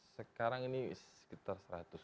sekarang ini sekitar seratus